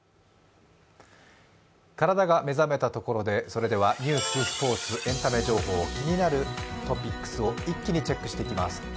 からだが目覚めたところで、ニュース、スポーツ、エンタメ情報、気になるトピックスを一気にチェックしていきます。